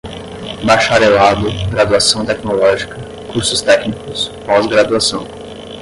bacharelado, graduação tecnológica, cursos técnicos, pós-graduação